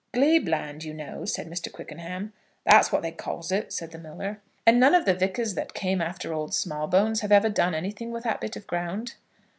"Glebe land, you know," said Mr. Quickenham. "That's what they calls it," said the miller. "And none of the vicars that came after old Smallbones have ever done anything with that bit of ground?"